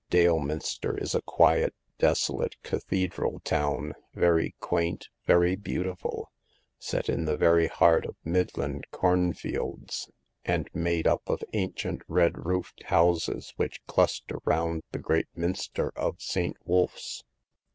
Daleminster is a quiet, desolate cathedral town, very quaint, very beau tiful, set in the very heart of Midland cornfields, and made up of ancient red roofed houses which cluster round the great minster of Saint Wulf's.